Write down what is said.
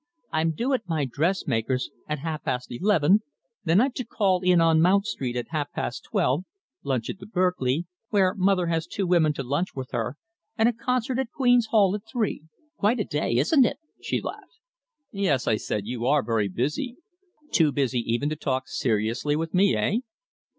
"I'm due at my dressmaker's at half past eleven, then I've to call in Mount Street at half past twelve, lunch at the Berkeley, where mother has two women to lunch with her, and a concert at Queen's Hall at three quite a day, isn't it?" she laughed. "Yes," I said. "You are very busy too busy even to talk seriously with me eh?"